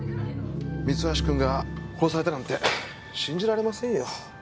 三橋くんが殺されたなんて信じられませんよ。